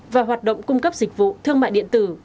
và hoạt động cung cấp dịch vụ thương mại điện tử